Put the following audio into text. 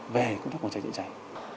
về công tác phòng cháy chữa cháy